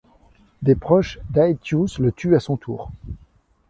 Des proches d'Aetius le tuent à son tour.